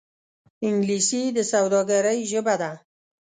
انګلیسي د سوداګرۍ ژبه ده